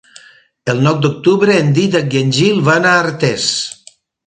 El nou d'octubre en Dídac i en Gil van a Artés.